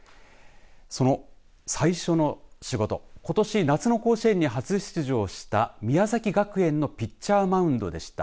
その最初の仕事ことし夏の甲子園に初出場した宮崎学園のピッチャーマウンドでした。